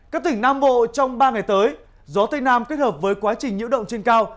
các tỉnh nam bộ trong ba ngày tới gió tây nam kết hợp với quá trình nhiễu động trên cao